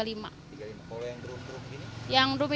kalau yang drum drum gini